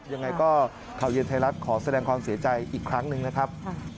ยังไงก็ข่าวเย็นไทยรัฐขอแสดงความเสียใจอีกครั้งหนึ่งนะครับ